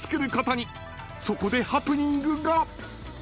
［そこでハプニングが！］